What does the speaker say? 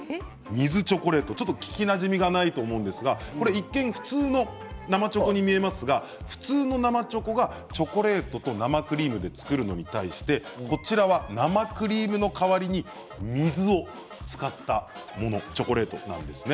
ちょっと聞きなじみがないと思うんですが一見、普通の生チョコに見えますが普通の生チョコがチョコレートと生クリームで作るのに対してこちらは生クリームの代わりに水を使ったものチョコレートなんですね。